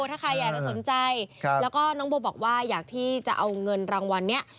ถ้าใครอยากจะสนใจแล้วก็น้องโบบอกว่าอยากที่จะเอาเงินรางวัลนี้